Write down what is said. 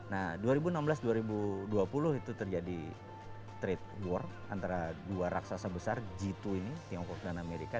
nah dua ribu enam belas dua ribu dua puluh itu terjadi trade war antara dua raksasa besar g dua ini tiongkok dan amerika